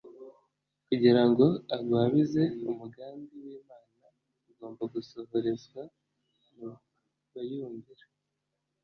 kugira ngo agwabize umugambi wImana ugomba gusohorezwa mu bayumvira